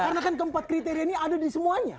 karena kan keempat kriteria ini ada di semuanya